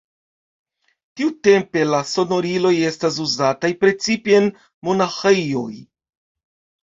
Tiutempe la sonoriloj estas uzataj precipe en monaĥejoj.